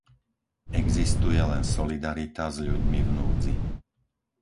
Existuje len solidarita s ľuďmi v núdzi.